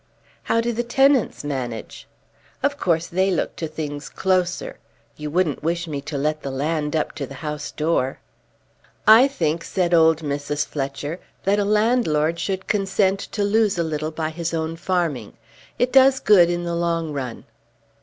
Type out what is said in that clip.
"How do the tenants manage?" "Of course they look to things closer. You wouldn't wish me to let the land up to the house door." "I think," said old Mrs. Fletcher, "that a landlord should consent to lose a little by his own farming. It does good in the long run."